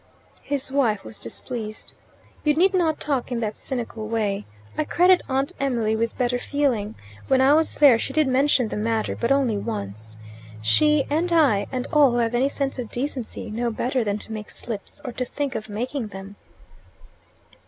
His wife was displeased. "You need not talk in that cynical way. I credit Aunt Emily with better feeling. When I was there she did mention the matter, but only once. She, and I, and all who have any sense of decency, know better than to make slips, or to think of making them."